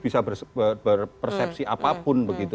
bisa berpersepsi apapun begitu